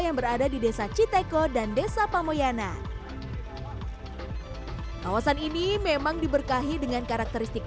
yang berada di desa citeko dan desa pamoyanan kawasan ini memang diberkahi dengan karakteristik